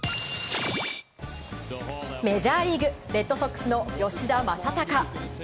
メジャーリーグレッドソックスの吉田正尚。